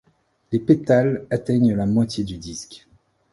Les pétales atteignent la moitié du disque.